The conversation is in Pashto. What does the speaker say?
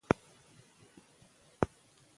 ماشومان د لوبو له لارې مهارتونه زده کوي